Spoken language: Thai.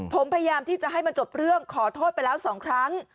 ผมพยายามที่จะให้มันจบเรื่องขอโทษไปแล้ว๒ครั้ง